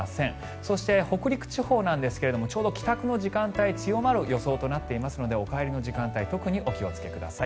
そして、北陸地方なんですがちょうど帰宅の時間帯強まる予想となっていますのでお帰りの時間帯特にお気をつけください。